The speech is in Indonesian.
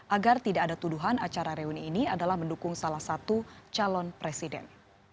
agar tidak ada tuduhan acara reuni ini adalah mendukung salah satu calon presiden